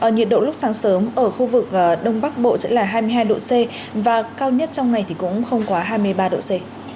nhiệt độ lúc sáng sớm ở khu vực đông bắc bộ sẽ là hai mươi hai độ c và cao nhất trong ngày thì cũng không quá hai mươi ba độ c